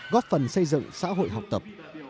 góp phần xây dựng xã hội học tập